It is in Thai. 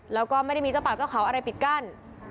แล้วก็ไม่ได้มีเจ้าป่าเจ้าเขาอะไรปิดกั้น